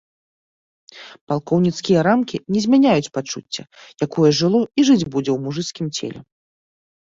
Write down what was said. Палкоўніцкія рамкі не змяняюць пачуцця, якое жыло і жыць будзе ў мужыцкім целе.